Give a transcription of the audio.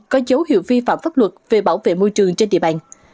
có dấu hiệu vi phạm pháp luật về bảo vệ môi trường trên địa bàn